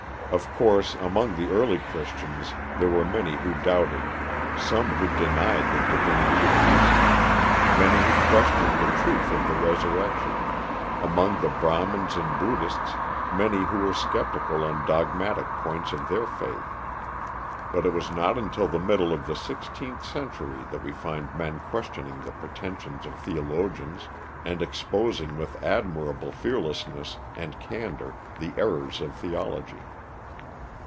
Of course, among the early Christians there were many who doubted; some who denied the divinity of Jesus; many who questioned the truth of the resurrection; among the Brahmins and Buddhists, many who were sceptical on dogmatic points of their faith. But it was not until the middle of the sixteenth century that we find men questioning the pretensions of theologians, and exposing with admirable fearlessness and candor the errors of theology.